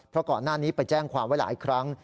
เพราะก่อนหน้านี้ไปแจ้งความไว้หลายครั้ง